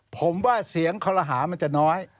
ผมว่าเสียงคอลหามันจะน้อย